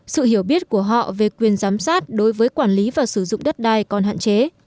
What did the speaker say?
sự hiểu biết của họ về quyền giám sát đối với quản lý và sử dụng đất đai còn hạn chế